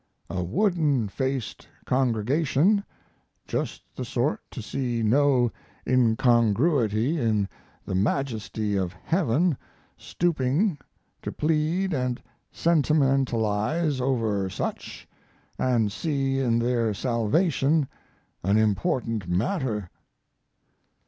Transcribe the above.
A wooden faced congregation; just the sort to see no incongruity in the majesty of Heaven stooping to plead and sentimentalize over such, and see in their salvation an important matter.